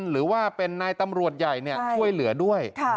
หรือว่าเป็นนายตำรวจใหญ่ช่วยเหลือด้วย